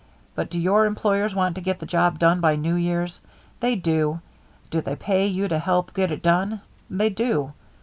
But do your employers want to get the job done by New Year's? They do. Do they pay you to help get it done? They do.